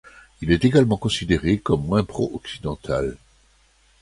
Il est également considéré comme moins pro-occidental.